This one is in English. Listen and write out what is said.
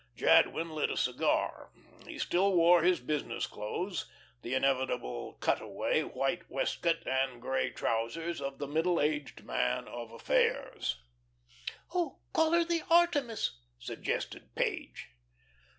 Jadwin lit a cigar; he still wore his business clothes the inevitable "cutaway," white waistcoat, and grey trousers of the middle aged man of affairs. "Oh, call her the 'Artemis,'" suggested Page.